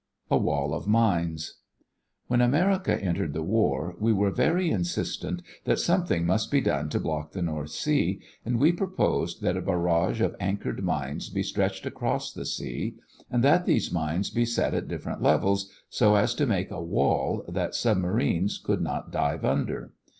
A WALL OF MINES When America entered the war, we were very insistent that something must be done to block the North Sea, and we proposed that a barrage of anchored mines be stretched across the sea and that these mines be set at different levels so as to make a "wall" that submarines could not dive under.